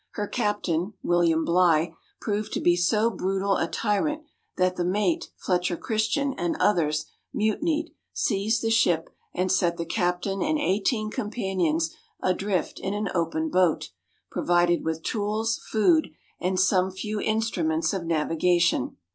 Her captain, William Bligh, proved to be so brutal a tyrant that the mate, Fletcher Christian, and others, mutinied, seized the ship, and set the captain and eighteen companions adrift in an open boat, pro vided with tools, food, and some few instruments of naviga tion.